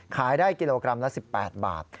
ขายได้กิโลกรัมละ๑๘บาท